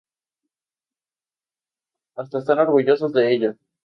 Hasta están orgullosos de ello.